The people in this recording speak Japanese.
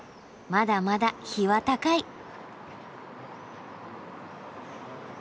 まだまだ日は高い。